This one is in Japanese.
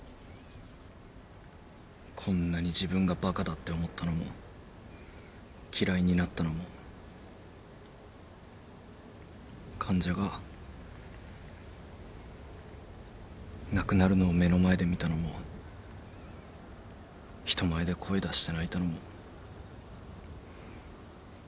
こんなに自分がバカだって思ったのも嫌いになったのも患者が亡くなるのを目の前で見たのも人前で声出して泣いたのも全部初めてでした。